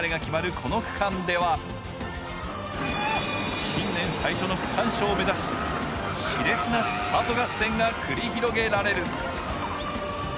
この区間では新年最初の区間賞を目指し、しれつなスパート合戦が繰り広げられる。